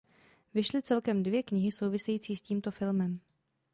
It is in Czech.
Vyšly celkem dvě knihy související s tímto filmem.